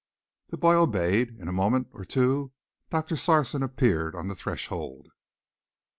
The boy obeyed. In a moment or two Doctor Sarson appeared on the threshold.